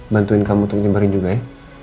bantuin kamu untuk nyebarin juga ya